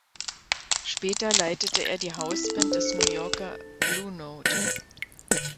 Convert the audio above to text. Später leitete er die Hausband des New Yorker "Blue Note".